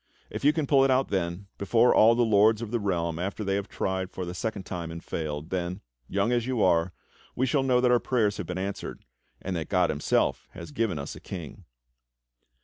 If you can pull it out then, before all the lords of the realm after they have tried for the second time and failed, then, young as you are, we shall know that our prayers have been answered, and that God himself has given us a King."